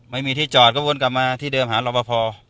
ไม่มีที่จอดก็วนกลับมาที่เดิมหารอปภ